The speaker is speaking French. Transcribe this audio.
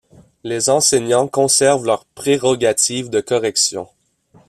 Les enseignants conservent leurs prérogatives de correction.